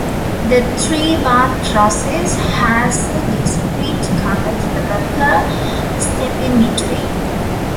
The three-bath process has a discrete color developer step in between.